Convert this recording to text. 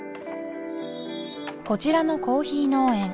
こちらのコーヒー農園